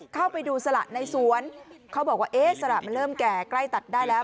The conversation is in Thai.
เข้าไปดูสละในสวนเขาบอกว่าเอ๊ะสละมันเริ่มแก่ใกล้ตัดได้แล้ว